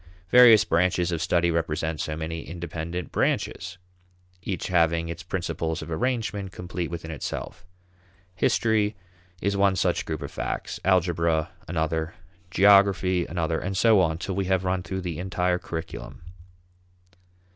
Various branches of study represent so many independent branches, each having its principles of arrangement complete within itself. History is one such group of facts; algebra another; geography another, and so on till we have run through the entire curriculum.